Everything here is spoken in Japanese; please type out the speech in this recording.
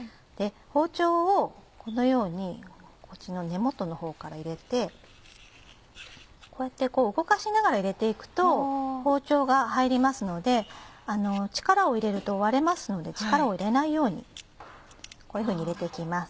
包丁をこのようにこっちの根元のほうから入れてこうやってこう動かしながら入れて行くと包丁が入りますので力を入れると割れますので力を入れないようにこういうふうに入れて行きます。